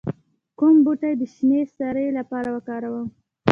کوم بوټي د شینې سرې لپاره وکاروم؟